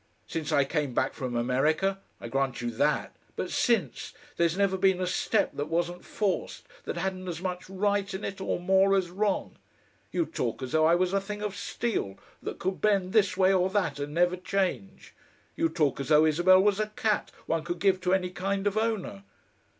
Since I came back from America I grant you THAT but SINCE, there's never been a step that wasn't forced, that hadn't as much right in it or more, as wrong. You talk as though I was a thing of steel that could bend this way or that and never change. You talk as though Isabel was a cat one could give to any kind of owner....